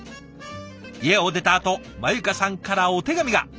家を出たあとまゆかさんからお手紙が。